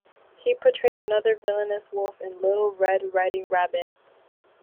He portrayed another villainous wolf in "Little Red Riding Rabbit".